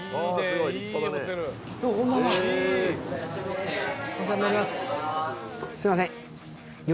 すいません。